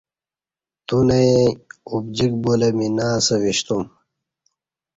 تو نہ ئیں ابجیک بو لہ می نہ اسہ وشتوم